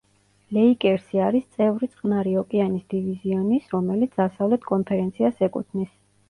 ლეიკერსი არის წევრი წყნარი ოკეანის დივიზიონის, რომელიც დასავლეთ კონფერენციას ეკუთვნის.